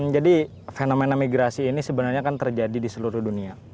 jadi fenomena migrasi ini sebenarnya kan terjadi di seluruh dunia